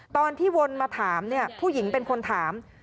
ตอนที่วนมาถามผู้หญิงเป็นคนถาม